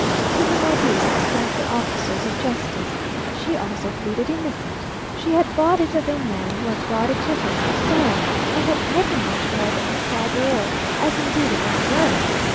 To the modiste's went the officers of justice. She also pleaded innocent. She had bought it of a man who had brought it to her for sale, and had paid him much more than à poids d'or, as indeed it was worth.